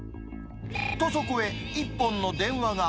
と、そこへ一本の電話が。